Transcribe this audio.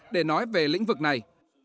để nói về lĩnh vực này